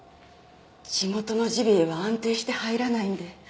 地元のジビエは安定して入らないんで。